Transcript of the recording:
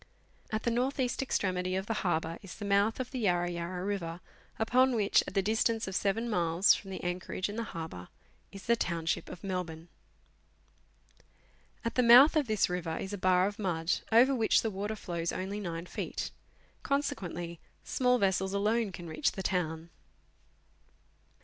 At the north east extremity of the harbour is the mouth of the Yarra Yarra River, upon which, at the distance of seven miles from the anchorage in the harbour, is the township of Melbourne. At the mouth of this river is a bar of mud, over which the water flows only 9 feet; con sequently small vessels alone can reach the town.